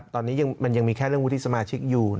ตอนนี้มันยังมีแค่เรื่องวุฒิสมาชิกอยู่